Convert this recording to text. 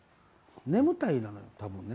「眠たい」なのよ多分ね。